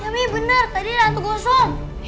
ya mi bener tadi ada hantu gosong